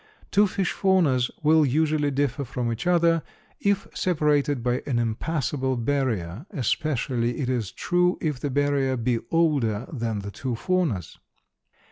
Two fish faunas will usually differ from each other if separated by an impassable barrier; especially is this true if the barrier be older than the two faunas.